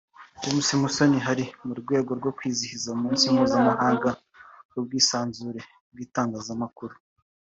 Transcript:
James Musoni hari mu rwego rwo kwizihiza umunsi mpuzamahanga w’ubwisanzure bw’itangazamakuru